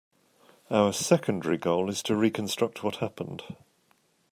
Our secondary goal is to reconstruct what happened.